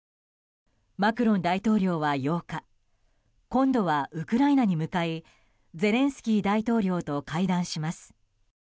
マクロン大統領は８日今度はウクライナに向かいゼレンスキー大統領と会談します。